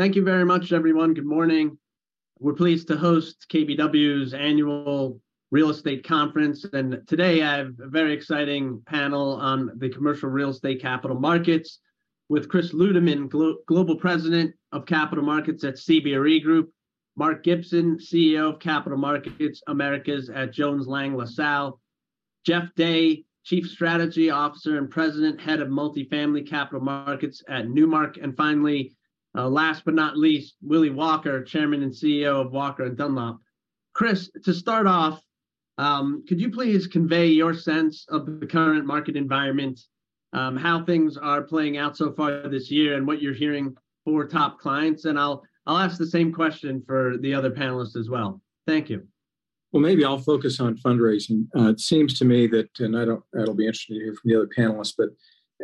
Thank you very much, everyone. Good morning. We're pleased to host KBW's annual real estate conference. Today I have a very exciting panel on the commercial real estate capital markets with Chris Ludeman, Global President of Capital Markets at CBRE Group, Mark Gibson, CEO of Capital Markets Americas at Jones Lang LaSalle, Jeff Day, Chief Strategy Officer and President, Head of Multifamily Capital Markets at Newmark, and finally, last but not least, Willy Walker, Chairman and CEO of Walker & Dunlop. Chris, to start off, could you please convey your sense of the current market environment, how things are playing out so far this year and what you're hearing for top clients? I'll ask the same question for the other panelists as well. Thank you. Well, maybe I'll focus on fundraising. That'll be interesting to hear from the other panelists, but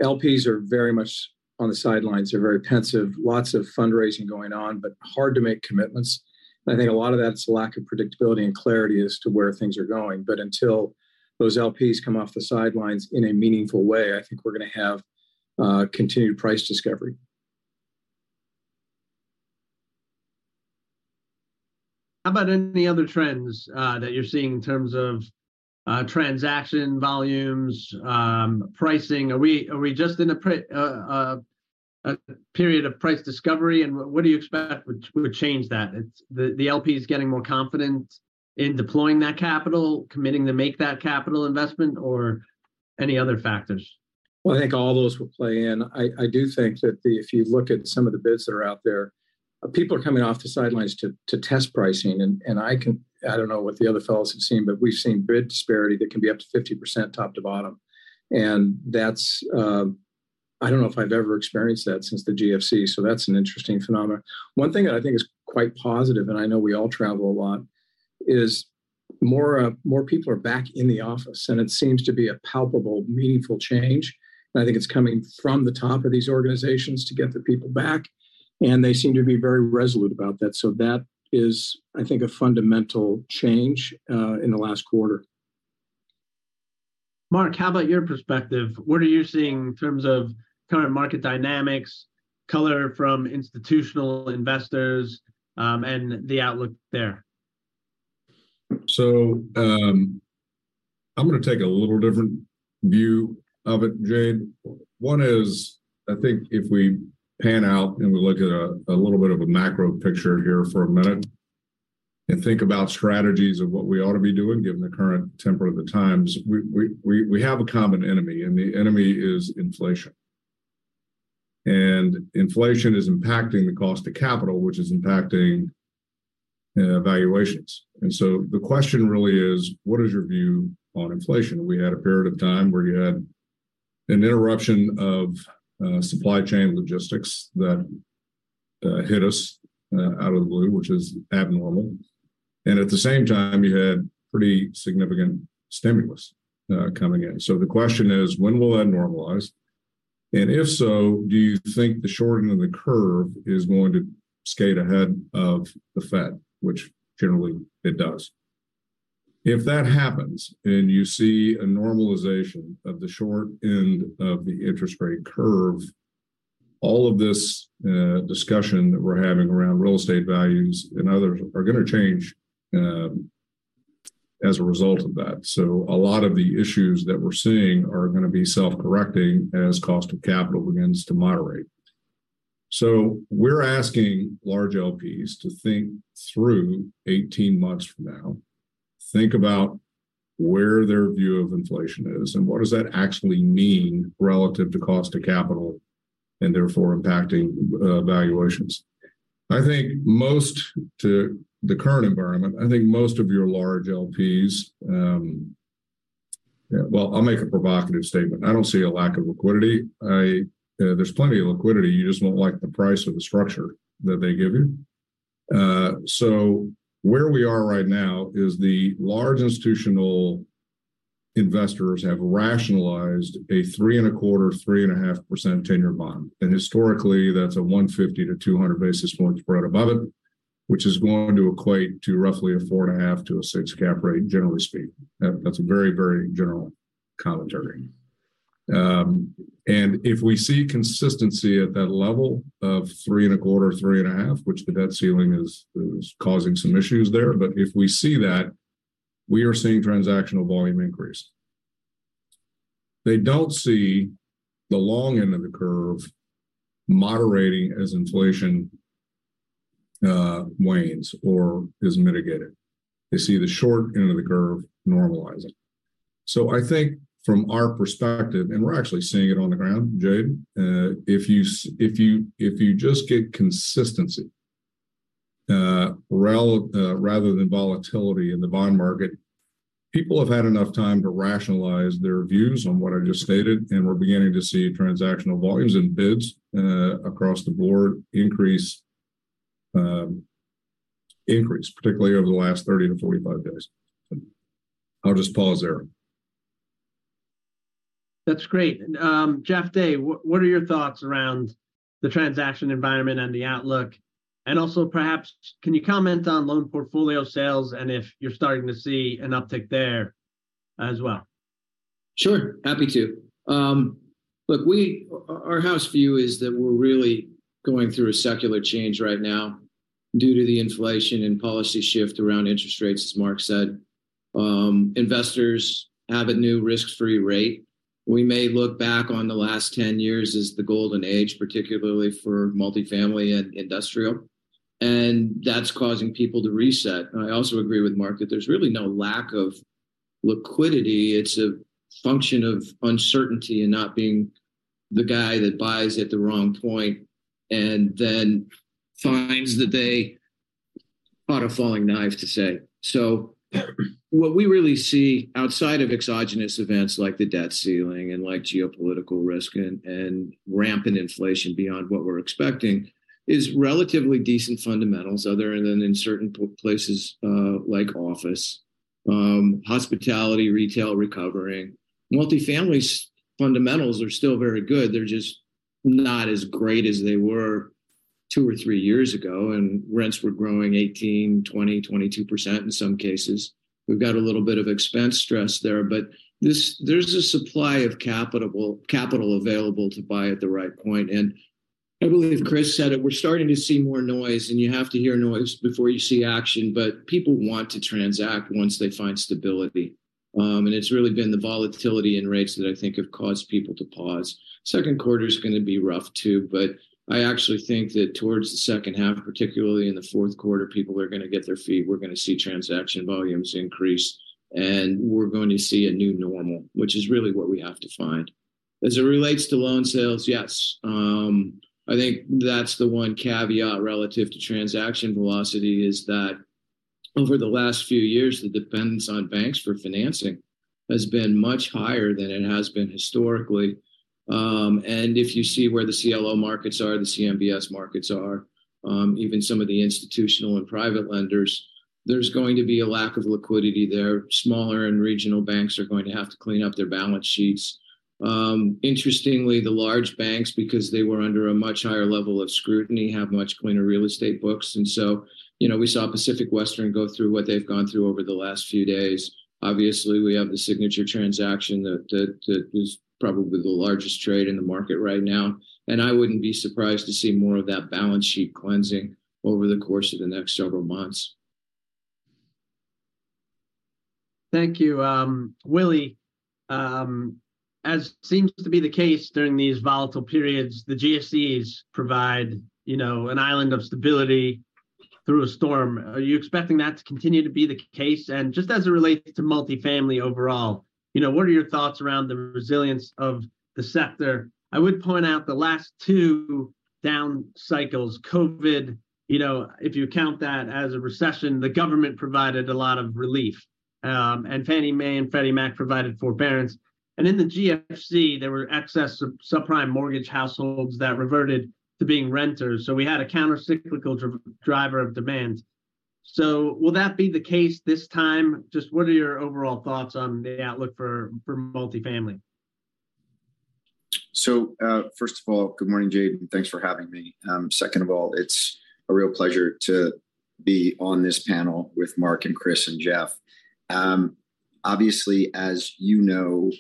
LPs are very much on the sidelines. They're very pensive. Lots of fundraising going on, but hard to make commitments. I think a lot of that's lack of predictability and clarity as to where things are going. Until those LPs come off the sidelines in a meaningful way, I think we're gonna have continued price discovery. How about any other trends that you're seeing in terms of transaction volumes, pricing? Are we just in a period of price discovery? What do you expect would change that? It's the LPs getting more confident in deploying that capital, committing to make that capital investment or any other factors? I think all those will play in. I do think that if you look at some of the bids that are out there, people are coming off the sidelines to test pricing. I don't know what the other fellows have seen, but we've seen bid disparity that can be up to 50% top to bottom, and that's I don't know if I've ever experienced that since the GFC, so that's an interesting phenomenon. One thing that I think is quite positive, and I know we all travel a lot, is more, more people are back in the office, and it seems to be a palpable, meaningful change. I think it's coming from the top of these organizations to get the people back, and they seem to be very resolute about that. That is, I think, a fundamental change in the last quarter. Mark, how about your perspective? What are you seeing in terms of current market dynamics, color from institutional investors, and the outlook there? I'm gonna take a little different view of it, Jade. One is, I think if we pan out and we look at a little bit of a macro picture here for a minute and think about strategies of what we ought to be doing given the current temper of the times, we have a common enemy, and the enemy is inflation. Inflation is impacting the cost of capital, which is impacting valuations. The question really is, what is your view on inflation? We had a period of time where you had an interruption of supply chain logistics that hit us out of the blue, which is abnormal, and at the same time, you had pretty significant stimulus coming in. The question is, when will that normalize? If so, do you think the shortening of the curve is going to skate ahead of the Fed, which generally it does? If that happens and you see a normalization of the short end of the interest rate curve, all of this discussion that we're having around real estate values and others are gonna change as a result of that. A lot of the issues that we're seeing are gonna be self-correcting as cost of capital begins to moderate. We're asking large LPs to think through 18 months from now, think about where their view of inflation is and what does that actually mean relative to cost of capital and therefore impacting valuations. I think most to the current environment, I think most of your large LPs. Well, I'll make a provocative statement. I don't see a lack of liquidity. There's plenty of liquidity, you just don't like the price of the structure that they give you. Where we are right now is the large institutional investors have rationalized a 3.25%-3.5% ten-year bond. Historically, that's a 150-200 basis point spread above it, which is going to equate to roughly a 4.5%-6% cap rate, generally speaking. That's a very, very general commentary. If we see consistency at that level of 3.25%, 3.5%, which the debt ceiling is causing some issues there, we are seeing transactional volume increase. They don't see the long end of the curve moderating as inflation wanes or is mitigated. They see the short end of the curve normalizing. I think from our perspective, and we're actually seeing it on the ground, Jade, if you just get consistency, rather than volatility in the bond market, people have had enough time to rationalize their views on what I just stated, and we're beginning to see transactional volumes and bids, across the board increase particularly over the last 30 to 45 days. I'll just pause there. That's great. Jeff Day, what are your thoughts around the transaction environment and the outlook? Perhaps can you comment on loan portfolio sales and if you're starting to see an uptick there as well? Sure. Happy to. Look, our house view is that we're really going through a secular change right now due to the inflation and policy shift around interest rates, as Mark said. Investors have a new risk-free rate. We may look back on the last 10 years as the golden age, particularly for multifamily and industrial, and that's causing people to reset. I also agree with Mark that there's really no lack of liquidity. It's a function of uncertainty and not being the guy that buys at the wrong point and then finds that they bought a falling knife, to say. What we really see outside of exogenous events like the debt ceiling and like geopolitical risk and rampant inflation beyond what we're expecting is relatively decent fundamentals other than in certain places, like office. Hospitality, retail recovering. Multifamily's fundamentals are still very good. They're just not as great as they were two or three years ago. Rents were growing 18%, 20%, 22% in some cases. We've got a little bit of expense stress there. There's a supply of capital available to buy at the right point. I believe Chris said it, we're starting to see more noise, and you have to hear noise before you see action. People want to transact once they find stability. It's really been the volatility in rates that I think have caused people to pause. Second quarter is gonna be rough too. I actually think that towards the second half, particularly in the fourth quarter, people are gonna get their feet. We're gonna see transaction volumes increase, and we're going to see a new normal, which is really what we have to find. As it relates to loan sales, yes. I think that's the one caveat relative to transaction velocity, is that over the last few years, the dependence on banks for financing has been much higher than it has been historically. If you see where the CLO markets are, the CMBS markets are, even some of the institutional and private lenders, there's going to be a lack of liquidity there. Smaller and regional banks are going to have to clean up their balance sheets. Interestingly, the large banks, because they were under a much higher level of scrutiny, have much cleaner real estate books. So, you know, we saw Pacific Western go through what they've gone through over the last few days. Obviously, we have the Signature transaction that is probably the largest trade in the market right now, and I wouldn't be surprised to see more of that balance sheet cleansing over the course of the next several months. Thank you. Willie, as seems to be the case during these volatile periods, the GSEs provide, you know, an island of stability through a storm. Are you expecting that to continue to be the case? Just as it relates to multifamily overall, you know, what are your thoughts around the resilience of the sector? I would point out the last two down cycles, COVID, you know, if you count that as a recession, the government provided a lot of relief, and Fannie Mae and Freddie Mac provided forbearance. In the GFC, there were excess subprime mortgage households that reverted to being renters, so we had a countercyclical driver of demand. Will that be the case this time? Just what are your overall thoughts on the outlook for multifamily? First of all, good morning, Jade. Thanks for having me. Second of all, it's a real pleasure to be on this panel with Mark and Chris and Jeff. Obviously, as you know,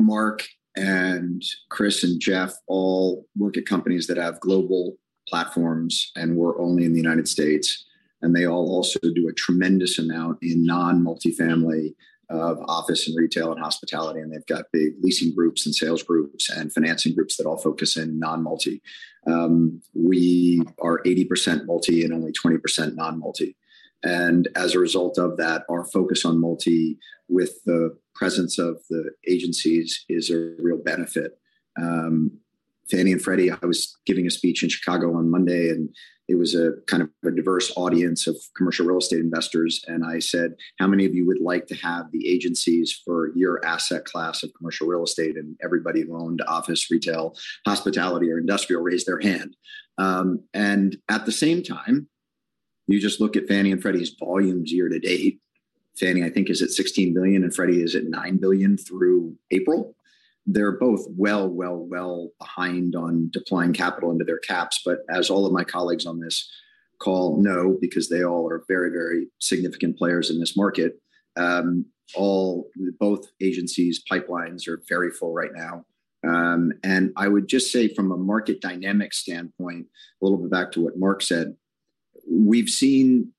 Mark and Chris and Jeff all work at companies that have global platforms and we're only in the United States, and they all also do a tremendous amount in non-multifamily of office and retail and hospitality, and they've got big leasing groups and sales groups and financing groups that all focus in non-multi. We are 80% multi and only 20% non-multi. As a result of that, our focus on multi with the presence of the agencies is a real benefit. Fannie and Freddie, I was giving a speech in Chicago on Monday, and it was a kind of a diverse audience of commercial real estate investors, and I said, "How many of you would like to have the agencies for your asset class of commercial real estate?" Everybody who owned office, retail, hospitality, or industrial raised their hand. At the same time, you just look at Fannie and Freddie's volumes year to date. Fannie, I think, is at $16 billion, and Freddie is at $9 billion through April. They're both well behind on deploying capital into their caps. As all of my colleagues on this call know because they all are very significant players in this market, both agencies' pipelines are very full right now. I would just say from a market dynamic standpoint, a little bit back to what Mark said, we've seen.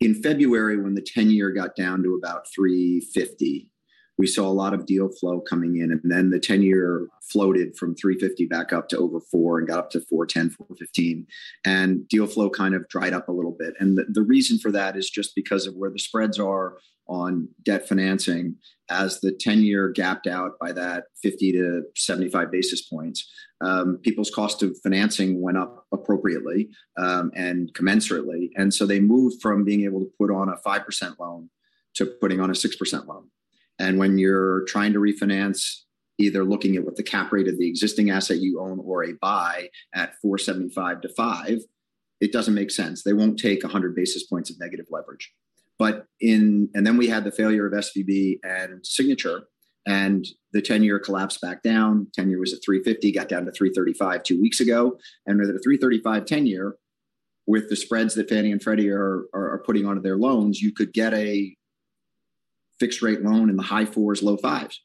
In February, when the 10-year got down to about 3.50, we saw a lot of deal flow coming in, and then the 10-year floated from 3.50 back up to over 4 and got up to 4.10, 4.15, and deal flow kind of dried up a little bit. The reason for that is just because of where the spreads are on debt financing as the 10-year gapped out by that 50-75 basis points. People's cost of financing went up appropriately, and commensurately, they moved from being able to put on a 5% loan to putting on a 6% loan. When you're trying to refinance, either looking at what the cap rate of the existing asset you own or a buy at 4.75%-5%, it doesn't make sense. They won't take 100 basis points of negative leverage. Then we had the failure of SVB and Signature, and the 10-year collapsed back down. 10-year was at 3.50%, got down to 3.35% two weeks ago. At a 3.35% 10-year with the spreads that Fannie and Freddie are putting onto their loans, you could get a fixed rate loan in the high fours, low fives.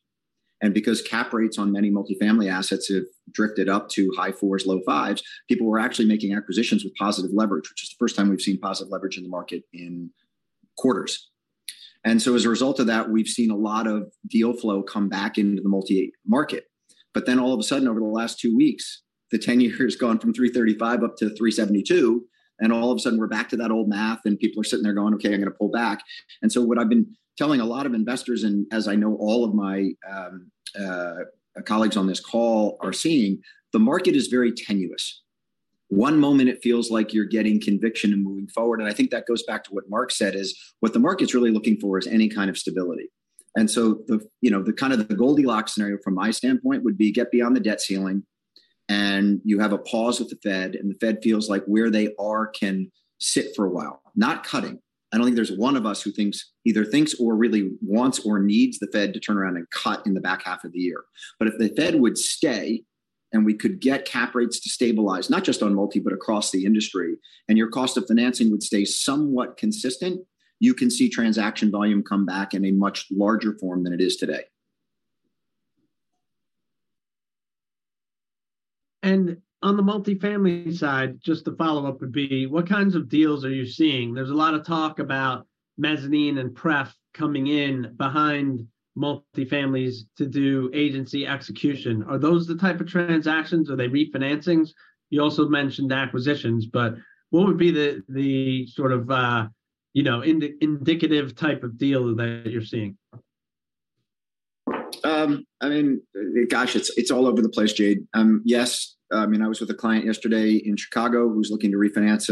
Because cap rates on many multifamily assets have drifted up to high fours, low fives, people were actually making acquisitions with positive leverage, which is the first time we've seen positive leverage in the market in quarters. As a result of that, we've seen a lot of deal flow come back into the multi market. All of a sudden over the last 2 weeks, the 10-year has gone from 3.35% up to 3.72%, and all of a sudden we're back to that old math, and people are sitting there going, "Okay, I'm gonna pull back." What I've been telling a lot of investors, and as I know all of my colleagues on this call are seeing, the market is very tenuous. One moment it feels like you're getting conviction and moving forward, and I think that goes back to what Mark said is what the market's really looking for is any kind of stability. The, you know, the kind of the Goldilocks scenario from my standpoint would be get beyond the debt ceiling, and you have a pause with the Fed, and the Fed feels like where they are can sit for a while. Not cutting. I don't think there's one of us who thinks either thinks or really wants or needs the Fed to turn around and cut in the back half of the year. If the Fed would stay, and we could get cap rates to stabilize, not just on multi, but across the industry, and your cost of financing would stay somewhat consistent, you can see transaction volume come back in a much larger form than it is today. On the multifamily side, just the follow-up would be, what kinds of deals are you seeing? There's a lot of talk about mezzanine and pref coming in behind multifamilies to do agency execution. Are those the type of transactions? Are they refinancings? You also mentioned acquisitions, but what would be the sort of, you know, indicative type of deal that you're seeing? I mean, gosh, it's all over the place, Jade. Yes, I mean, I was with a client yesterday in Chicago who's looking to refinance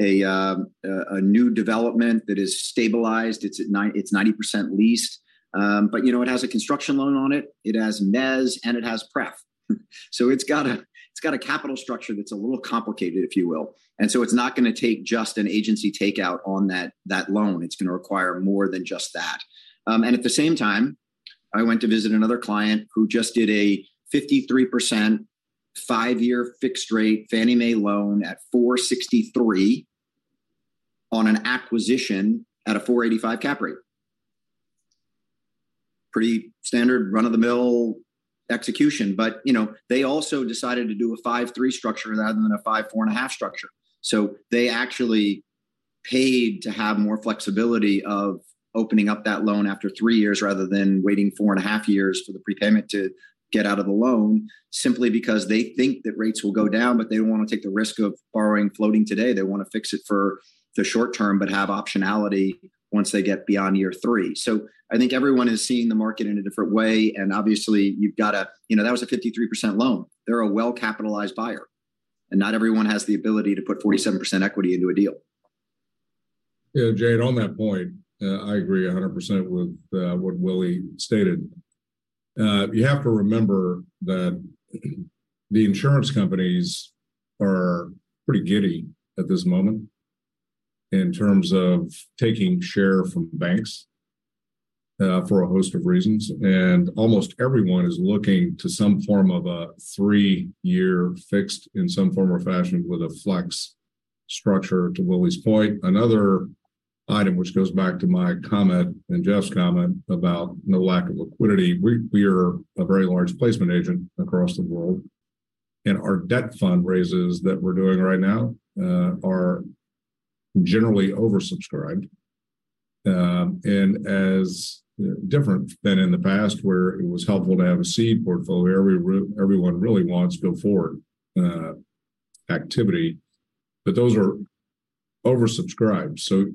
a new development that is stabilized. It's 90% leased. You know, it has a construction loan on it has mezz, and it has pref. It's got a capital structure that's a little complicated, if you will. It's not gonna take just an agency takeout on that loan. It's gonna require more than just that. At the same time, I went to visit another client who just did a 53% 5-year fixed rate Fannie Mae loan at 4.63% on an acquisition at a 4.85% cap rate. Pretty standard run-of-the-mill execution. You know, they also decided to do a 5-3 structure rather than a 5-4 and a half structure. They actually paid to have more flexibility of opening up that loan after 3 years rather than waiting 4 and a half years for the prepayment to get out of the loan, simply because they think that rates will go down, but they don't wanna take the risk of borrowing floating today. They wanna fix it for the short term, but have optionality once they get beyond year 3. I think everyone is seeing the market in a different way. You know, that was a 53% loan. They're a well-capitalized buyer, and not everyone has the ability to put 47% equity into a deal. Yeah, Jade, on that point, I agree 100% with what Willie stated. You have to remember that the insurance companies are pretty giddy at this moment in terms of taking share from banks for a host of reasons. Almost everyone is looking to some form of a 3-year fixed in some form or fashion with a flex structure, to Willie's point. Another item which goes back to my comment and Jeff's comment about the lack of liquidity, we are a very large placement agent across the world, and our debt fundraises that we're doing right now are generally oversubscribed. As different than in the past where it was helpful to have a seed portfolio, everyone really wants go-forward activity. Those are oversubscribed, so...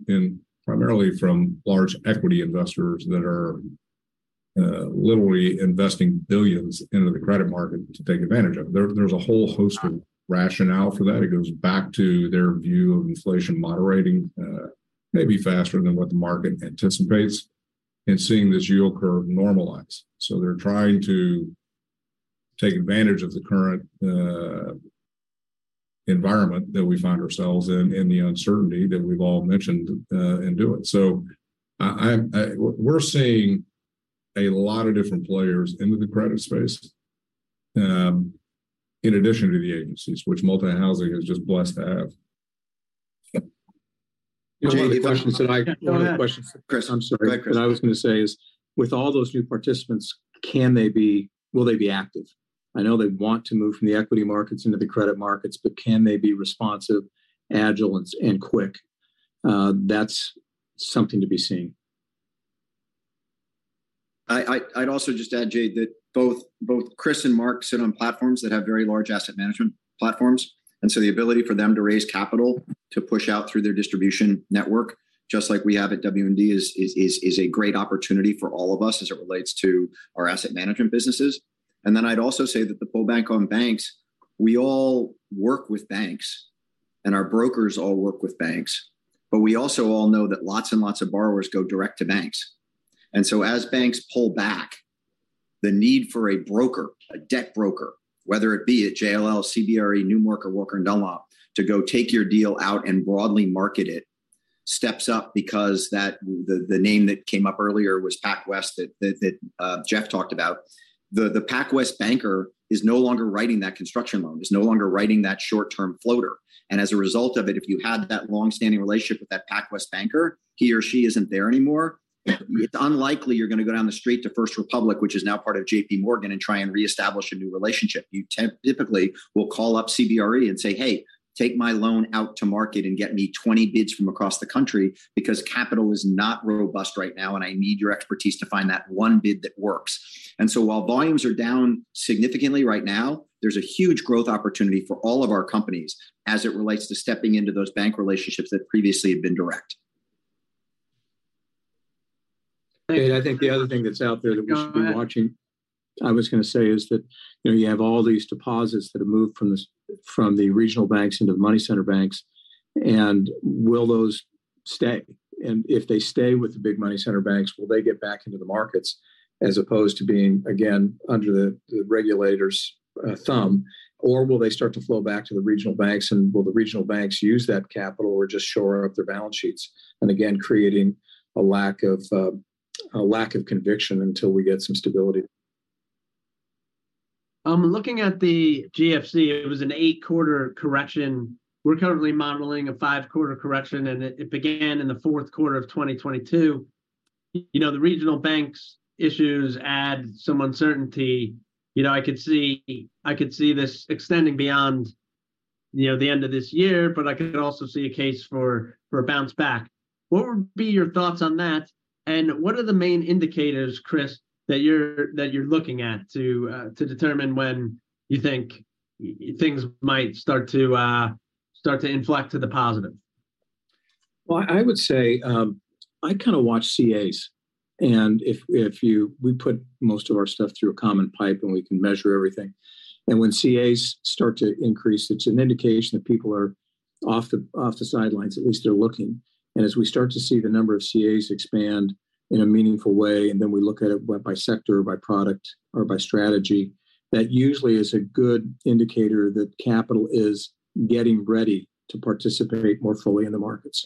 Primarily from large equity investors that are literally investing $ billions into the credit market to take advantage of it. There's a whole host of rationale for that. It goes back to their view of inflation moderating maybe faster than what the market anticipates, and seeing this yield curve normalize. They're trying to take advantage of the current environment that we find ourselves in, and the uncertainty that we've all mentioned in doing so. We're seeing a lot of different players into the credit space, in addition to the agencies, which multi-housing is just blessed to have. One of the questions. Go ahead. Chris, I'm sorry. Go ahead, Chris. What I was gonna say is, with all those new participants, can they be, will they be active? I know they want to move from the equity markets into the credit markets, but can they be responsive, agile, and quick? That's something to be seen. I'd also just add, Jade, that both Chris and Mark sit on platforms that have very large asset management platforms. The ability for them to raise capital to push out through their distribution network, just like we have at W&D, is a great opportunity for all of us as it relates to our Asset Management businesses. I'd also say that the pull back on banks, we all work with banks, and our brokers all work with banks. We also all know that lots and lots of borrowers go direct to banks. As banks pull back, the need for a broker, a debt broker, whether it be at JLL, CBRE, Newmark, or Walker & Dunlop, to go take your deal out and broadly market it. Steps up because that the name that came up earlier was PacWest that Jeff talked about. The PacWest banker is no longer writing that construction loan, is no longer writing that short-term floater. As a result of it, if you had that long-standing relationship with that PacWest banker, he or she isn't there anymore. It's unlikely you're gonna go down the street to First Republic, which is now part of JPMorgan, and try and reestablish a new relationship. You typically will call up CBRE and say, "Hey, take my loan out to market and get me 20 bids from across the country, because capital is not robust right now and I need your expertise to find that one bid that works." While volumes are down significantly right now, there's a huge growth opportunity for all of our companies as it relates to stepping into those bank relationships that previously had been direct. I think the other thing that's out there that we should be watching. Go ahead.... I was gonna say is that, you know, you have all these deposits that have moved from the regional banks into money center banks. Will those stay? If they stay with the big money center banks, will they get back into the markets as opposed to being, again, under the regulators' thumb? Will they start to flow back to the regional banks? Will the regional banks use that capital or just shore up their balance sheets, again creating a lack of, a lack of conviction until we get some stability? I'm looking at the GFC. It was an 8-quarter correction. We're currently modeling a 5-quarter correction, and it began in the fourth quarter of 2022. You know, the regional banks issues add some uncertainty. You know, I could see this extending beyond, you know, the end of this year, but I could also see a case for a bounce back. What would be your thoughts on that, and what are the main indicators, Chris, that you're looking at to determine when you think things might start to inflect to the positive? Well, I would say, I kind of watch CAs. If you... We put most of our stuff through a common pipe, and we can measure everything. When CAs start to increase, it's an indication that people are off the, off the sidelines, at least they're looking. As we start to see the number of CAs expand in a meaningful way, and then we look at it by sector or by product or by strategy, that usually is a good indicator that capital is getting ready to participate more fully in the markets.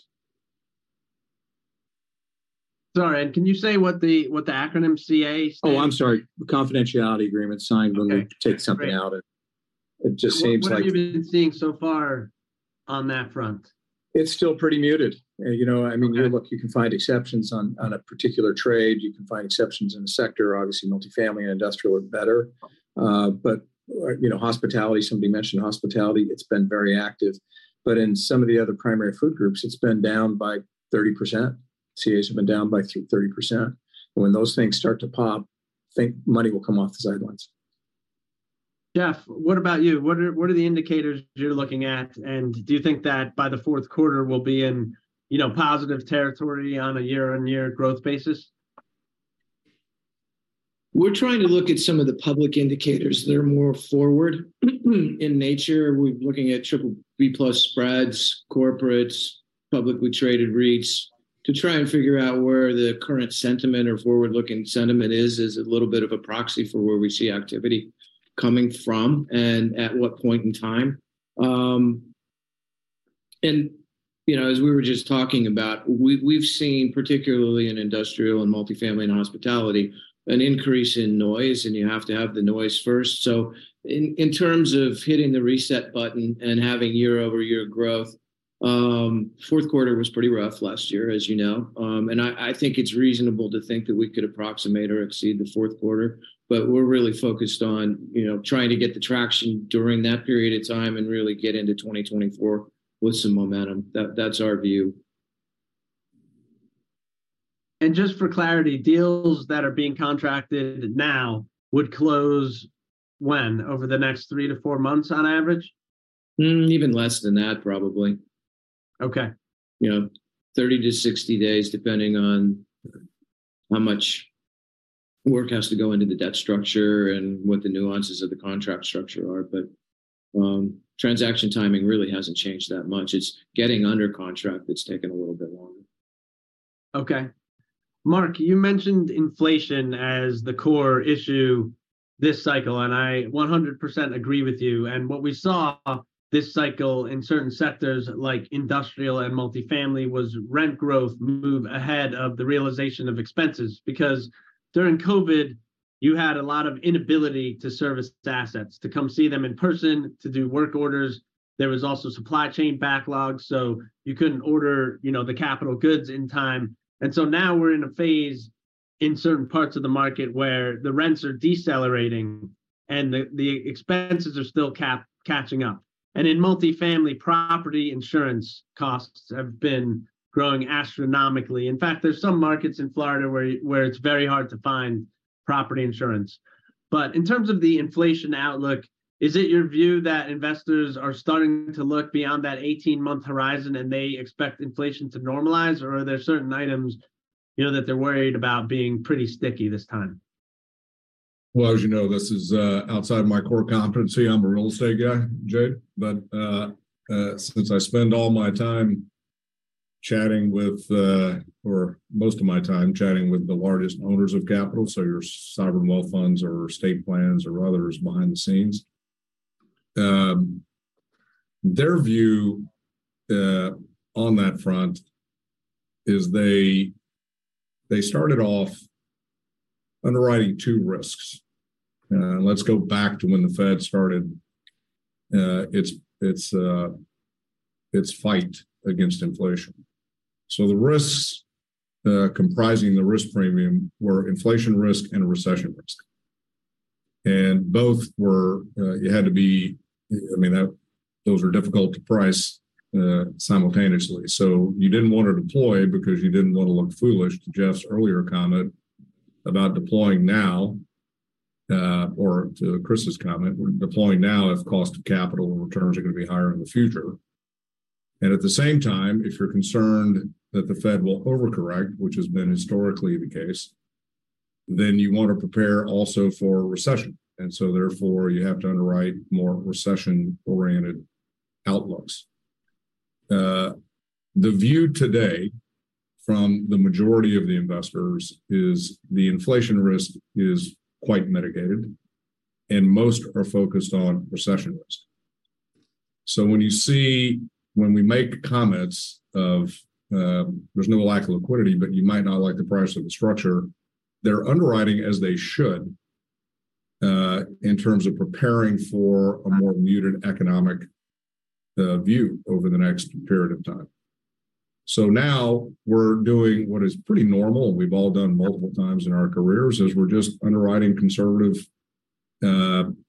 Sorry, and can you say what the, what the acronym CA stands for? Oh, I'm sorry. Confidentiality agreement, signed when they- Okay, great.... take something out, and it just saves like- What have you been seeing so far on that front? It's still pretty muted. you know, I mean, you look, you can find exceptions on a particular trade, you can find exceptions in a sector. Obviously, multifamily and industrial are better. But, you know hospitality, somebody mentioned hospitality, it's been very active. In some of the other primary food groups, it's been down by 30%. CAs have been down by 30%. When those things start to pop, I think money will come off the sidelines. Jeff, what about you? What are the indicators you're looking at, and do you think that by the fourth quarter we'll be in, you know, positive territory on a year-on-year growth basis? We're trying to look at some of the public indicators that are more forward in nature. We're looking at BBB+ spreads, corporates, publicly traded REITs to try and figure out where the current sentiment or forward-looking sentiment is. Is it a little bit of a proxy for where we see activity coming from, and at what point in time? You know, as we were just talking about, we've seen, particularly in industrial and multifamily and hospitality, an increase in noise, and you have to have the noise first. In terms of hitting the reset button and having year-over-year growth, fourth quarter was pretty rough last year, as you know. I think it's reasonable to think that we could approximate or exceed the fourth quarter. We're really focused on, you know, trying to get the traction during that period of time and really get into 2024 with some momentum. That's our view. Just for clarity, deals that are being contracted now would close when? Over the next 3 to 4 months on average? Even less than that probably. Okay. You know, 30 to 60 days, depending on how much work has to go into the debt structure and what the nuances of the contract structure are. Transaction timing really hasn't changed that much. It's getting under contract that's taken a little bit longer. Okay. Mark, you mentioned inflation as the core issue this cycle. I 100% agree with you. What we saw this cycle in certain sectors, like industrial and multifamily, was rent growth move ahead of the realization of expenses. During COVID, you had a lot of inability to service assets, to come see them in person, to do work orders. There was also supply chain backlogs. You couldn't order, you know, the capital goods in time. Now we're in a phase in certain parts of the market where the rents are decelerating and the expenses are still catching up. In multifamily property, insurance costs have been growing astronomically. In fact, there's some markets in Florida where it's very hard to find property insurance. In terms of the inflation outlook, is it your view that investors are starting to look beyond that 18-month horizon and they expect inflation to normalize, or are there certain items, you know, that they're worried about being pretty sticky this time? As you know, this is outside my core competency. I'm a real estate guy, Jade. Since I spend all my time chatting with or most of my time chatting with the largest owners of capital, so your sovereign wealth funds or state plans or others behind the scenes, their view on that front is they started off underwriting 2 risks. Let's go back to when the Fed started its fight against inflation. The risks comprising the risk premium were inflation risk and recession risk. Both were, I mean, those are difficult to price simultaneously. You didn't want to deploy because you didn't want to look foolish to Jeff's earlier comment about deploying now, or to Chris's comment, we're deploying now if cost of capital and returns are gonna be higher in the future. At the same time, if you're concerned that the Fed will overcorrect, which has been historically the case, then you want to prepare also for a recession. Therefore you have to underwrite more recession-oriented outlooks. The view today from the majority of the investors is the inflation risk is quite mitigated, and most are focused on recession risk. When we make comments of, there's no lack of liquidity, but you might not like the price of the structure, they're underwriting as they should, in terms of preparing for a more muted economic view over the next period of time. Now we're doing what is pretty normal, and we've all done multiple times in our careers, is we're just underwriting conservative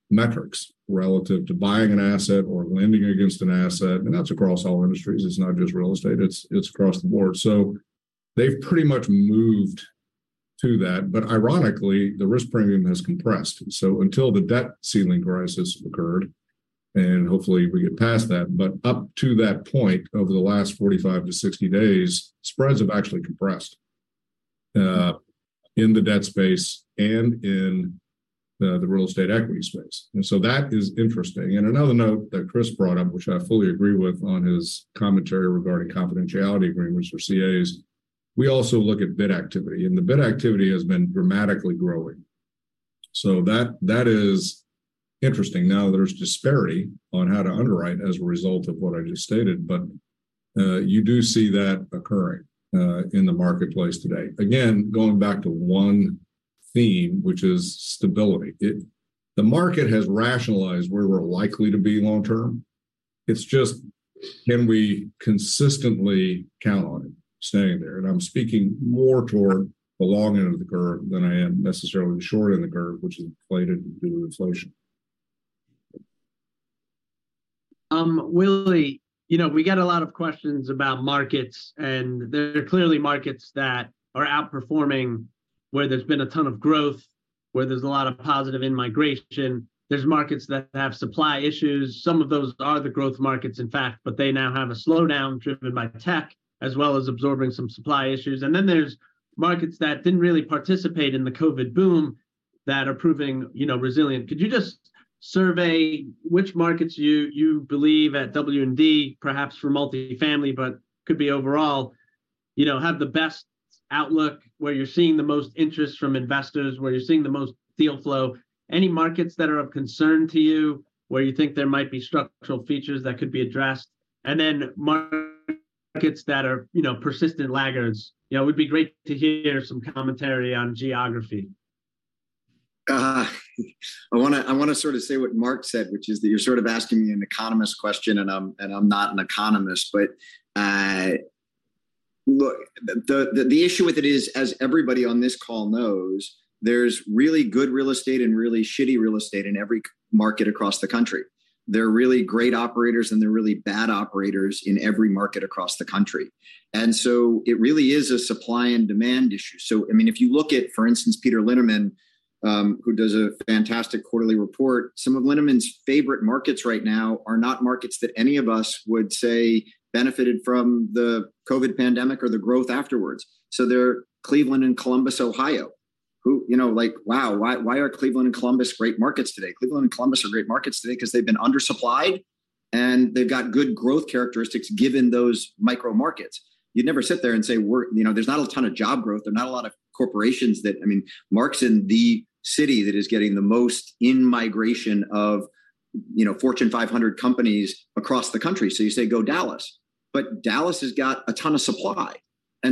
metrics relative to buying an asset or lending against an asset. That's across all industries, it's not just real estate, it's across the board. Ironically, the risk premium has compressed. Until the debt ceiling crisis occurred, and hopefully we get past that, but up to that point, over the last 45-60 days, spreads have actually compressed in the debt space and in the real estate equity space. That is interesting. Another note that Chris brought up, which I fully agree with on his commentary regarding confidentiality agreements or CAs, we also look at bid activity, and the bid activity has been dramatically growing. That is interesting. There's disparity on how to underwrite as a result of what I just stated, but you do see that occurring in the marketplace today. Again, going back to one theme, which is stability. The market has rationalized where we're likely to be long term. It's just, can we consistently count on it staying there? I'm speaking more toward the long end of the curve than I am necessarily the short end of the curve, which is inflated due to inflation. Willie, you know, we get a lot of questions about markets. There are clearly markets that are outperforming, where there's been a ton of growth, where there's a lot of positive in-migration. There's markets that have supply issues. Some of those are the growth markets, in fact, but they now have a slowdown driven by tech, as well as absorbing some supply issues. Then there's markets that didn't really participate in the COVID boom that are proving, you know, resilient. Could you just survey which markets you believe at W&D, perhaps for multifamily, but could be overall, you know, have the best outlook, where you're seeing the most interest from investors, where you're seeing the most deal flow. Any markets that are of concern to you, where you think there might be structural features that could be addressed, and then markets that are, you know, persistent laggards. You know, it would be great to hear some commentary on geography. I wanna sort of say what Mark said, which is that you're sort of asking me an economist question and I'm not an economist. Look, the issue with it is, as everybody on this call knows, there's really good real estate and really shifty real estate in every market across the country. There are really great operators and there are really bad operators in every market across the country. It really is a supply and demand issue. I mean, if you look at, for instance, Peter Linneman, who does a fantastic quarterly report, some of Linneman's favorite markets right now are not markets that any of us would say benefited from the COVID pandemic or the growth afterwards. They're Cleveland and Columbus, Ohio, who, you know, like, wow, why are Cleveland and Columbus great markets today? Cleveland and Columbus are great markets today 'cause they've been undersupplied and they've got good growth characteristics given those micro markets. You'd never sit there and say, 'There's not a ton of job growth.' I mean, Mark's in the city that is getting the most in-migration of, you know, Fortune 500 companies across the country. You say, 'Go Dallas.' Dallas has got a ton of supply.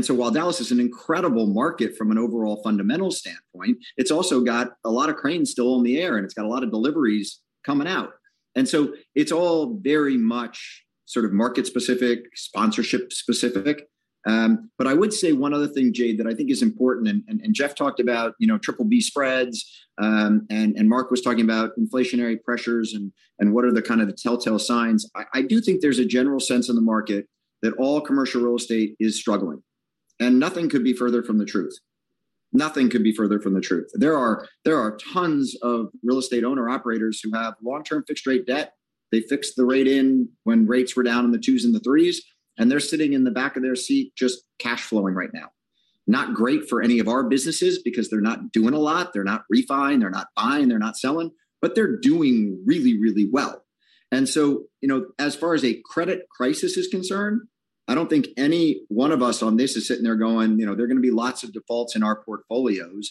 While Dallas is an incredible market from an overall fundamental standpoint, it's also got a lot of cranes still in the air, and it's got a lot of deliveries coming out. It's all very much sort of market specific, sponsorship specific. I would say one other thing, Jade, that I think is important, and Jeff talked about, you know, BBB spreads, and Mark was talking about inflationary pressures and what are the kind of the telltale signs. I do think there's a general sense in the market that all commercial real estate is struggling. Nothing could be further from the truth. Nothing could be further from the truth. There are tons of real estate owner-operators who have long-term fixed rate debt. They fixed the rate in when rates were down in the 2s and the 3s, they're sitting in the back of their seat just cash flowing right now. Not great for any of our businesses because they're not doing a lot. They're not refinancing, they're not buying, they're not selling, they're doing really, really well. You know, as far as a credit crisis is concerned, I don't think any one of us on this is sitting there going, "You know, there are gonna be lots of defaults in our portfolios."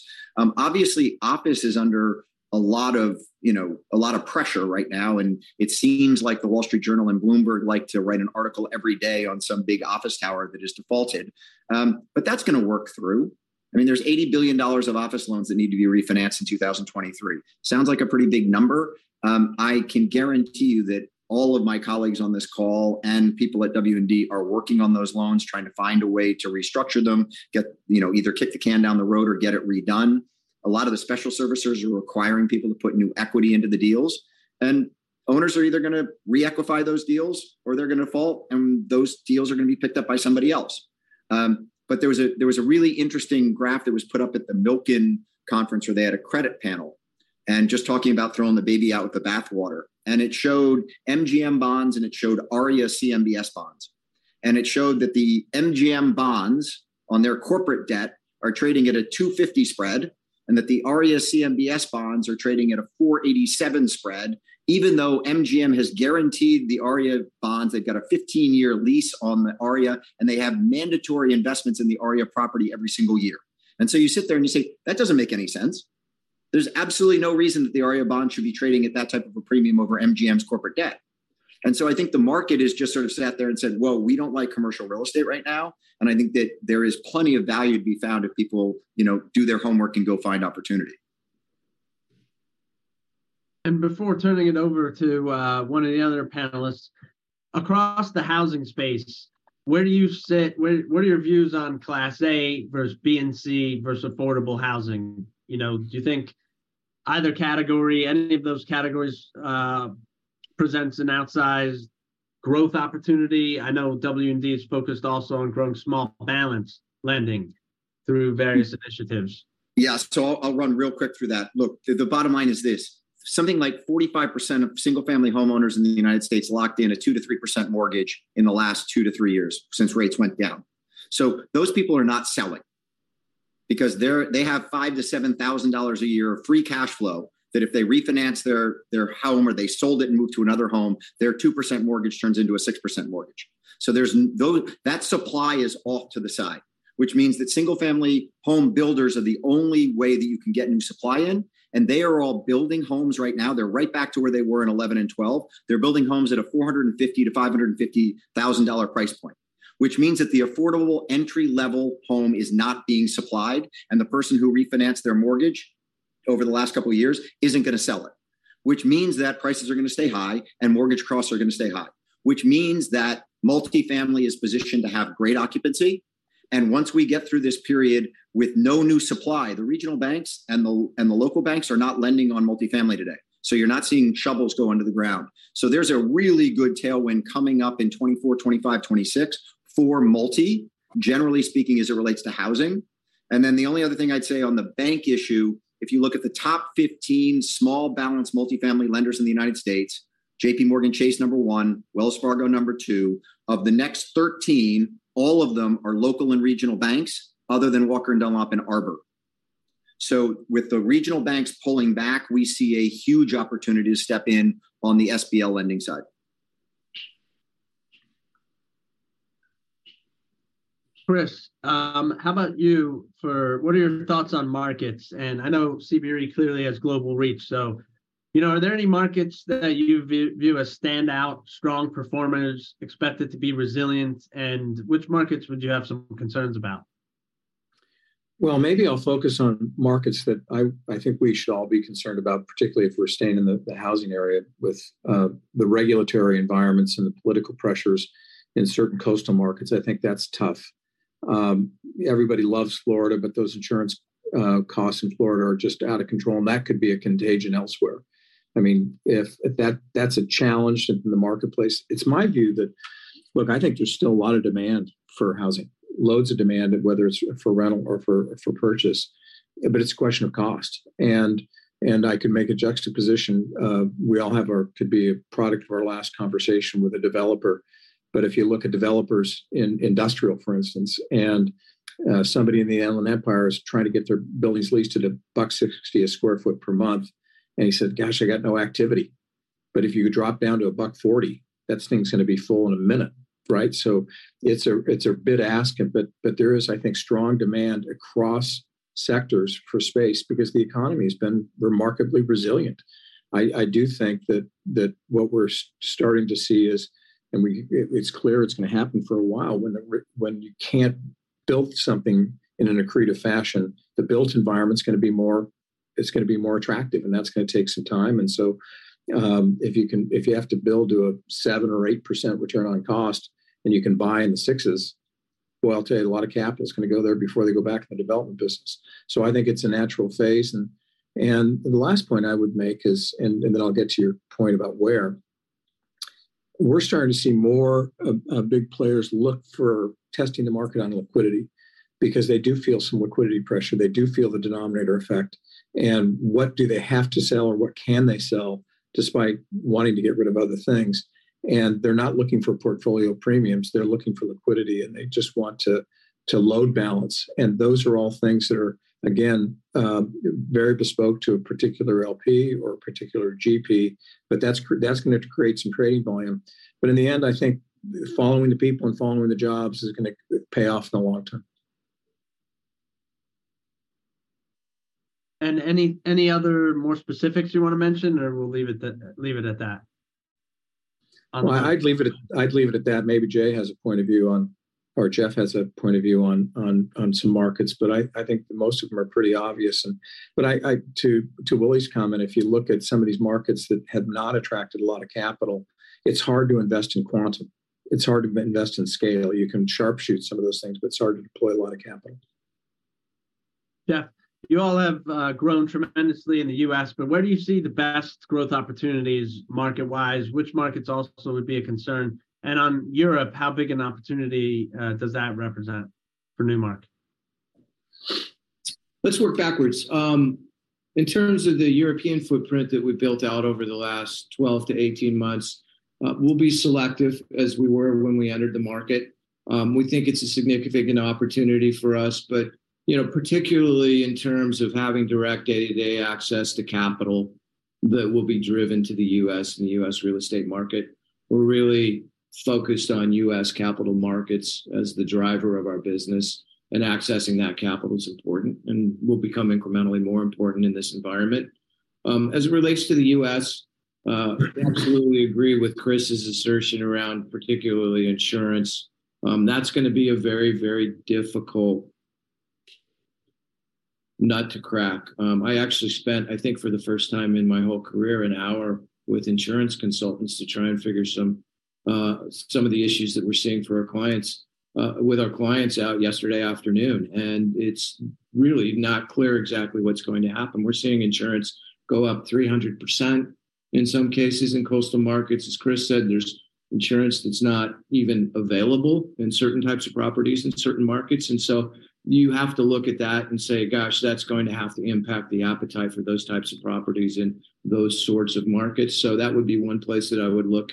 Obviously, office is under a lot of, you know, a lot of pressure right now, and it seems like The Wall Street Journal and Bloomberg like to write an article every day on some big office tower that has defaulted. That's gonna work through. I mean, there's $80 billion of office loans that need to be refinanced in 2023. Sounds like a pretty big number. I can guarantee you that all of my colleagues on this call and people at W&D are working on those loans trying to find a way to restructure them, get... you know, either kick the can down the road or get it redone. A lot of the special servicers are requiring people to put new equity into the deals, owners are either gonna re-equify those deals or they're gonna default, those deals are gonna be picked up by somebody else. There was a really interesting graph that was put up at the Milken Conference where they had a credit panel, just talking about throwing the baby out with the bathwater. It showed MGM bonds, it showed ARIA CMBS bonds. It showed that the MGM bonds on their corporate debt are trading at a 250 spread, that the ARIA CMBS bonds are trading at a 487 spread, even though MGM has guaranteed the ARIA bonds. They've got a 15-year lease on the ARIA, and they have mandatory investments in the ARIA property every single year. You sit there and you say, "That doesn't make any sense. There's absolutely no reason that the ARIA bonds should be trading at that type of a premium over MGM's corporate debt." I think the market has just sort of sat there and said, "Whoa, we don't like commercial real estate right now." I think that there is plenty of value to be found if people, you know, do their homework and go find opportunity. Before turning it over to one of the other panelists, across the housing space, where do you sit, where are your views on Class A versus B and C versus affordable housing? You know, do you think either category, any of those categories, presents an outsized growth opportunity? I know W&D is focused also on growing small balance lending through various initiatives. Yeah. I'll run real quick through that. Look, the bottom line is this. Something like 45% of single-family homeowners in the United States locked in a 2%-3% mortgage in the last 2-3 years since rates went down. Those people are not selling because they have $5,000-$7,000 a year of free cash flow that if they refinance their home or they sold it and moved to another home, their 2% mortgage turns into a 6% mortgage. There's that supply is off to the side, which means that single family home builders are the only way that you can get new supply in, and they are all building homes right now. They're right back to where they were in '11 and '12. They're building homes at a $450,000-$550,000 price point, which means that the affordable entry-level home is not being supplied, and the person who refinanced their mortgage over the last couple of years isn't gonna sell it. Which means that prices are gonna stay high and mortgage costs are gonna stay high, which means that multifamily is positioned to have great occupancy. Once we get through this period with no new supply, the regional banks and the local banks are not lending on multifamily today. You're not seeing shovels go into the ground. There's a really good tailwind coming up in 2024, 2025, 2026 for multi, generally speaking, as it relates to housing. The only other thing I'd say on the bank issue, if you look at the top 15 small balance multifamily lenders in the United States, JPMorgan Chase number 1, Wells Fargo number 2. Of the next 13, all of them are local and regional banks other than Walker & Dunlop and Arbor. With the regional banks pulling back, we see a huge opportunity to step in on the SBL lending side. Chris, how about you for... what are your thoughts on markets? I know CBRE clearly has global reach, so, you know, are there any markets that you view as standout strong performers expected to be resilient, and which markets would you have some concerns about? Well, maybe I'll focus on markets that I think we should all be concerned about, particularly if we're staying in the housing area with the regulatory environments and the political pressures in certain coastal markets. I think that's tough. Everybody loves Florida, those insurance costs in Florida are just out of control, and that could be a contagion elsewhere. I mean, if that's a challenge in the marketplace. It's my view that, look, I think there's still a lot of demand for housing, loads of demand, whether it's for rental or for purchase, but it's a question of cost. I can make a juxtaposition. Could be a product of our last conversation with a developer. If you look at developers in industrial, for instance, and somebody in the Inland Empire is trying to get their buildings leased at $1.60 a square foot per month, and he said, "Gosh, I got no activity. But if you drop down to $1.40, that thing's gonna be full in a minute." Right? It's a bit asking, but there is, I think, strong demand across sectors for space because the economy has been remarkably resilient. I do think that what we're starting to see is and it's clear it's gonna happen for a while, when you can't build something in an accretive fashion, the built environment's gonna be more attractive, and that's gonna take some time. So, if you can... if you have to build to a 7% or 8% return on cost and you can buy in the 6s, well, I'll tell you, a lot of capital's gonna go there before they go back to the Development business. I think it's a natural phase. The last point I would make is. Then I'll get to your point about where. We're starting to see more big players look for testing the market on liquidity because they do feel some liquidity pressure. They do feel the denominator effect, and what do they have to sell or what can they sell despite wanting to get rid of other things? They're not looking for portfolio premiums, they're looking for liquidity, and they just want to load balance. Those are all things that are, again, very bespoke to a particular LP or a particular GP, but that's gonna have to create some trading volume. In the end, I think following the people and following the jobs is gonna pay off in the long term. Any other more specifics you wanna mention, or we'll leave it at that? Well, I'd leave it at that. Maybe Jade has a point of view on some markets, but I think that most of them are pretty obvious. I to Willy's comment, if you look at some of these markets that have not attracted a lot of capital, it's hard to invest in quantum. It's hard to invest in scale. You can sharpshoot some of those things, but it's hard to deploy a lot of capital. Yeah. You all have grown tremendously in the U.S., where do you see the best growth opportunities market-wise? Which markets also would be a concern? On Europe, how big an opportunity does that represent for Newmark? Let's work backwards. In terms of the European footprint that we built out over the last 12 to 18 months, we'll be selective as we were when we entered the market. We think it's a significant opportunity for us, you know, particularly in terms of having direct day-to-day access to capital that will be driven to the U.S. and the U.S. real estate market, we're really focused on U.S. capital markets as the driver of our business, and accessing that capital is important and will become incrementally more important in this environment. As it relates to the U.S., absolutely agree with Chris's assertion around particularly insurance. That's gonna be a very difficult nut to crack. I actually spent, I think for the first time in my whole career, an hour with insurance consultants to try and figure some of the issues that we're seeing for our clients, with our clients out yesterday afternoon, it's really not clear exactly what's going to happen. We're seeing insurance go up 300% in some cases in coastal markets. As Chris said, there's insurance that's not even available in certain types of properties in certain markets. You have to look at that and say, "Gosh, that's going to have to impact the appetite for those types of properties and those sorts of markets." That would be one place that I would look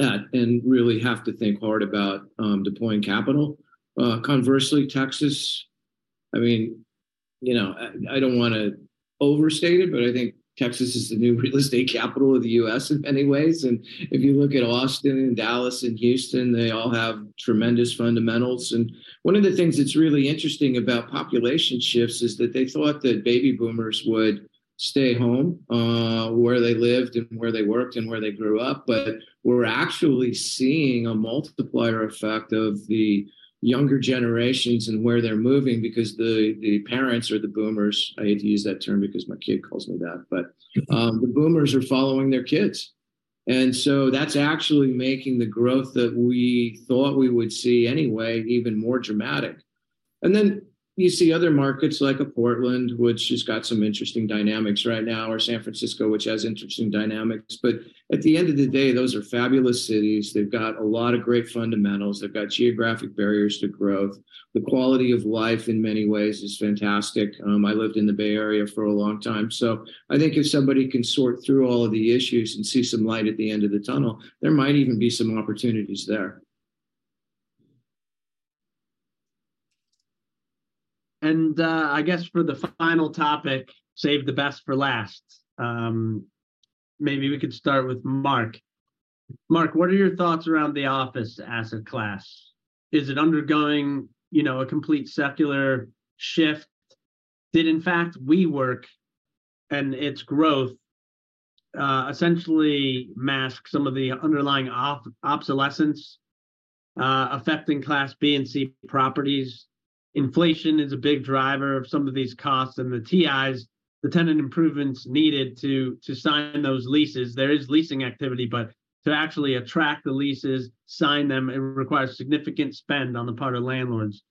at and really have to think hard about deploying capital. Conversely, Texas, I mean, you know, I don't wanna overstate it, but I think Texas is the new real estate capital of the U.S. in many ways. If you look at Austin and Dallas and Houston, they all have tremendous fundamentals. One of the things that's really interesting about population shifts is that they thought that baby boomers would stay home, where they lived and where they worked and where they grew up. We're actually seeing a multiplier effect of the younger generations and where they're moving because the parents or the boomers, I hate to use that term because my kid calls me that, but the boomers are following their kids. That's actually making the growth that we thought we would see anyway even more dramatic. You see other markets like a Portland, which has got some interesting dynamics right now, or San Francisco, which has interesting dynamics. At the end of the day, those are fabulous cities. They've got a lot of great fundamentals. They've got geographic barriers to growth. The quality of life in many ways is fantastic. I lived in the Bay Area for a long time. I think if somebody can sort through all of the issues and see some light at the end of the tunnel, there might even be some opportunities there. I guess for the final topic, saved the best for last. Maybe we could start with Mark. Mark, what are your thoughts around the office asset class? Is it undergoing, you know, a complete secular shift? Did, in fact, WeWork and its growth essentially mask some of the underlying obsolescence affecting Class B and C properties? Inflation is a big driver of some of these costs, and the TIs, the tenant improvements needed to sign those leases. There is leasing activity, but to actually attract the leases, sign them, it requires significant spend on the part of landlords.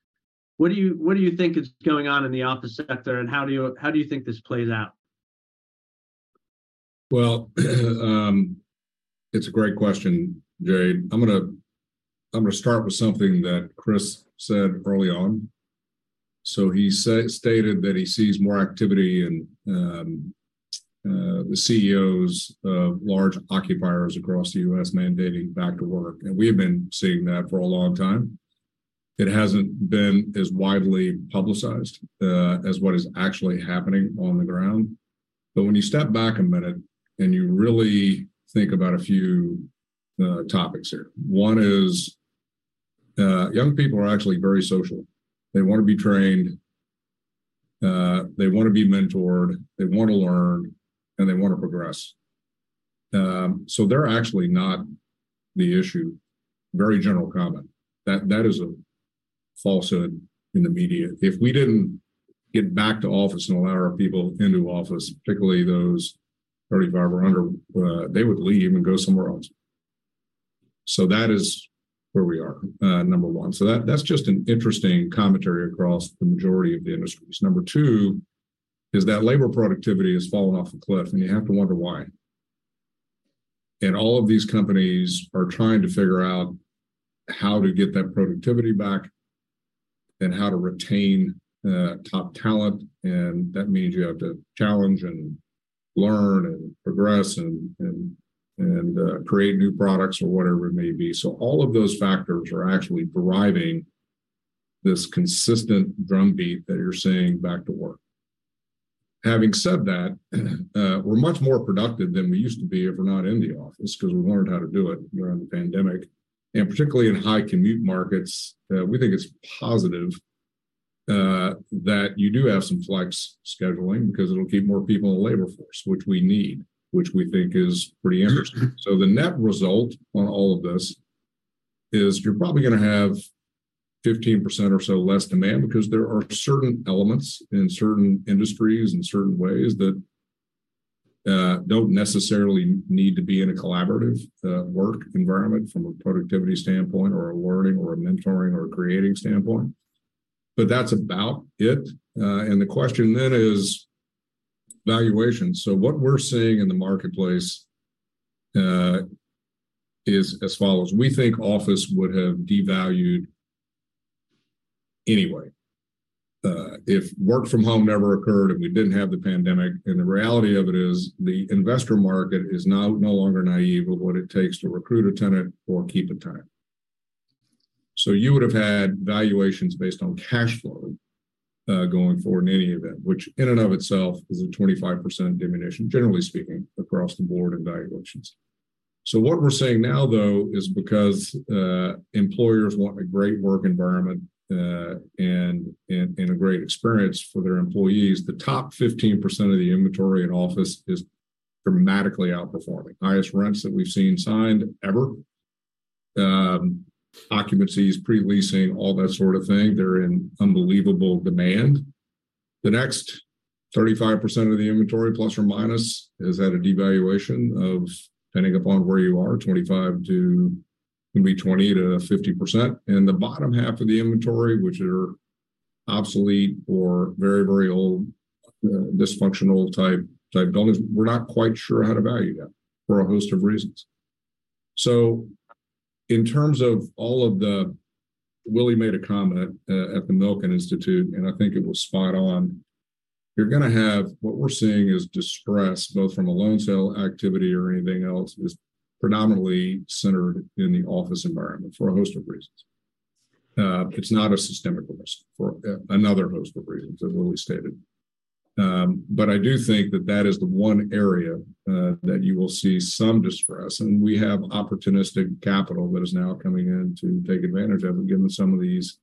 What do you, what do you think is going on in the office sector, and how do you, how do you think this plays out? Well, it's a great question, Jade. I'm gonna start with something that Chris said early on. He stated that he sees more activity in the CEOs of large occupiers across the U.S. mandating back to work, and we have been seeing that for a long time. It hasn't been as widely publicized as what is actually happening on the ground. When you step back a minute and you really think about a few topics here, one is, young people are actually very social. They wanna be trained, they wanna be mentored, they wanna learn, and they wanna progress. They're actually not the issue. Very general comment. That is a falsehood in the media. If we didn't get back to office and allow our people into office, particularly those 35 or under, they would leave and go somewhere else. That is where we are, number 1. That's just an interesting commentary across the majority of the industries. Number 2 is that labor productivity has fallen off a cliff, and you have to wonder why. All of these companies are trying to figure out how to get that productivity back and how to retain top talent, and that means you have to challenge and learn and progress and create new products or whatever it may be. All of those factors are actually driving this consistent drumbeat that you're seeing back to work. Having said that, we're much more productive than we used to be if we're not in the office 'cause we learned how to do it during the pandemic. Particularly in high commute markets, we think it's positive that you do have some flex scheduling because it'll keep more people in the labor force, which we need, which we think is pretty interesting. The net result on all of this is you're probably gonna have 15% or so less demand because there are certain elements in certain industries and certain ways that don't necessarily need to be in a collaborative work environment from a productivity standpoint, or a learning, or a mentoring, or a creating standpoint. That's about it. The question then is valuation. What we're seeing in the marketplace, is as follows: we think office would have devalued anyway, if work from home never occurred and we didn't have the pandemic. The reality of it is the investor market is now no longer naive of what it takes to recruit a tenant or keep a tenant. You would've had valuations based on cash flow, going forward in any event, which in and of itself is a 25% diminution, generally speaking, across the board in valuations. What we're seeing now, though, is because employers want a great work environment, and a great experience for their employees, the top 15% of the inventory in office is dramatically outperforming. Highest rents that we've seen signed ever. Occupancy is pre-leasing, all that sort of thing. They're in unbelievable demand. The next 35% of the inventory, ±, is at a devaluation of, depending upon where you are, 25% to maybe 20%-50%. The bottom half of the inventory, which are obsolete or very, very old, dysfunctional type buildings, we're not quite sure how to value that for a host of reasons. In terms of all of the... Willy made a comment at the Milken Institute, and I think it was spot on. You're gonna have... What we're seeing as distress, both from a loan sale activity or anything else, is predominantly centered in the office environment for a host of reasons. It's not a systemic risk for another host of reasons, as Willy stated. I do think that that is the one area that you will see some distress, and we have opportunistic capital that is now coming in to take advantage of it, given some of these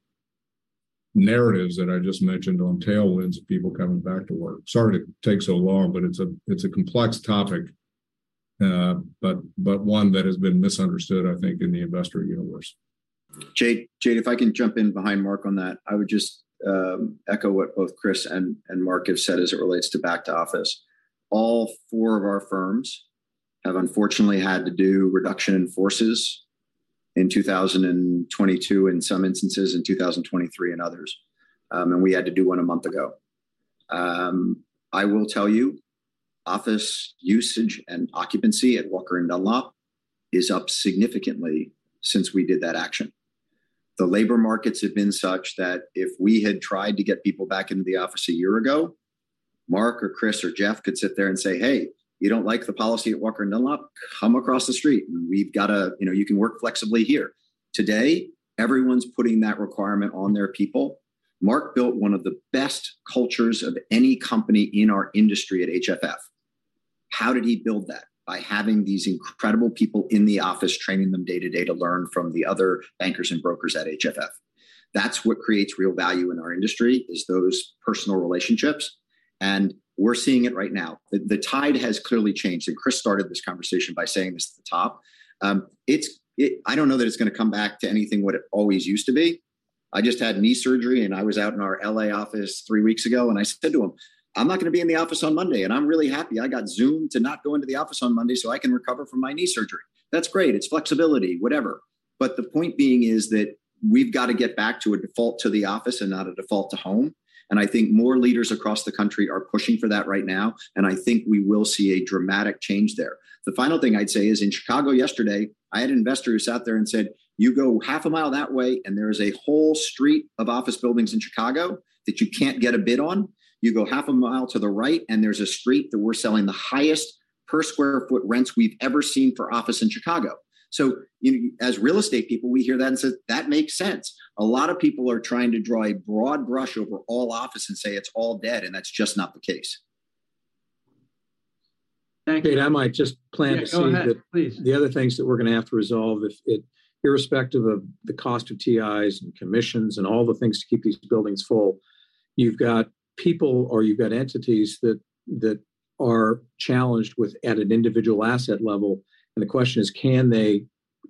narratives that I just mentioned on tailwinds of people coming back to work. Sorry to take so long, but it's a, it's a complex topic, but one that has been misunderstood, I think, in the investor universe. Jade, if I can jump in behind Mark on that. I would just echo what both Chris and Mark have said as it relates to back to office. All four of our firms have unfortunately had to do reduction in forces in 2022 in some instances, in 2023 in others. We had to do one a month ago. I will tell you, office usage and occupancy at Walker & Dunlop is up significantly since we did that action. The labor markets have been such that if we had tried to get people back into the office a year ago, Mark or Chris or Jeff could sit there and say, "Hey, you don't like the policy at Walker & Dunlop? Come across the street and we've got a. You know, you can work flexibly here." Today, everyone's putting that requirement on their people. Mark built one of the best cultures of any company in our industry at HFF. How did he build that? By having these incredible people in the office, training them day-to-day to learn from the other bankers and brokers at HFF. That's what creates real value in our industry, is those personal relationships, and we're seeing it right now. The tide has clearly changed, and Chris started this conversation by saying this at the top. It's, it-- I don't know that it's gonna come back to anything what it always used to be. I just had knee surgery and I was out in our L.A. office three weeks ago and I said to them, "I'm not gonna be in the office on Monday," and I'm really happy. I got Zoomed to not go into the office on Monday so I can recover from my knee surgery. That's great. It's flexibility, whatever. The point being is that we've gotta get back to a default to the office and not a default to home, and I think more leaders across the country are pushing for that right now, and I think we will see a dramatic change there. The final thing I'd say is in Chicago yesterday, I had an investor who sat there and said, "You go half a mile that way and there is a whole street of office buildings in Chicago that you can't get a bid on. You go half a mile to the right and there's a street that we're selling the highest per square foot rents we've ever seen for office in Chicago." As real estate people, we hear that and say, "That makes sense." A lot of people are trying to draw a broad brush over all office and say it's all dead, and that's just not the case. Thank you. Jade, I might just plant a seed that. Yeah, go ahead, please.... the other things that we're gonna have to resolve irrespective of the cost of TIs and commissions and all the things to keep these buildings full, you've got people or you've got entities that are challenged with at an individual asset level, the question is, can they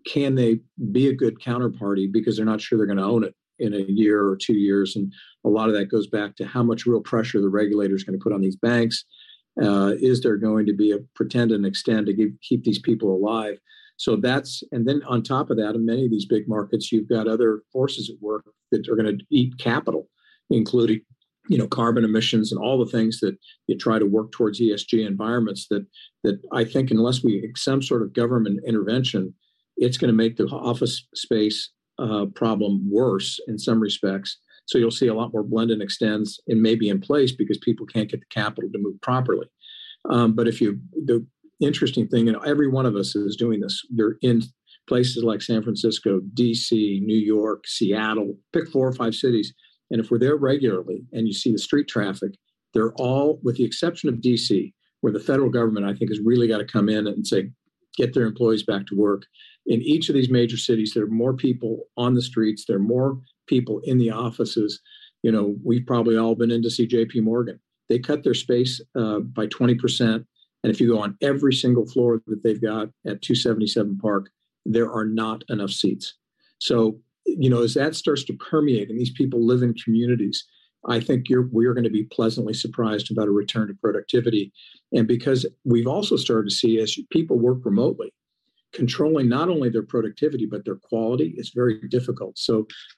be a good counterparty because they're not sure they're gonna own it in a year or two years? A lot of that goes back to how much real pressure the regulator's gonna put on these banks. Is there going to be a pretend and extend keep these people alive? On top of that, in many of these big markets, you've got other forces at work that are gonna eat capital, including, you know, carbon emissions and all the things that you try to work towards ESG environments that I think unless we have some sort of government intervention, it's gonna make the office space problem worse in some respects. You'll see a lot more blend and extends in maybe in place because people can't get the capital to move properly. The interesting thing, and every one of us is doing this, you're in places like San Francisco, D.C., New York, Seattle, pick four or five cities, and if we're there regularly and you see the street traffic, they're all, with the exception of D.C., where the federal government I think has really gotta come in and say, "Get their employees back to work," in each of these major cities, there are more people on the streets, there are more people in the offices. You know, we've probably all been in to see JPMorgan. They cut their space by 20%, and if you go on every single floor that they've got at 277 Park, there are not enough seats. You know, as that starts to permeate, and these people live in communities, I think you're, we're gonna be pleasantly surprised about a return to productivity. Because we've also started to see as people work remotely, controlling not only their productivity, but their quality is very difficult.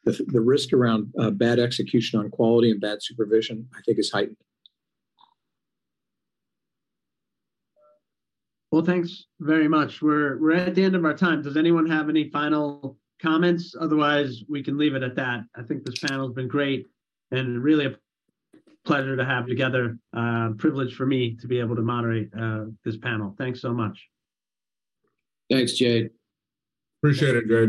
The risk around bad execution on quality and bad supervision, I think is heightened. Well, thanks very much. We're at the end of our time. Does anyone have any final comments? Otherwise, we can leave it at that. I think this panel's been great and really a pleasure to have together. Privilege for me to be able to moderate this panel. Thanks so much. Thanks, Jade. Appreciate it, Jade.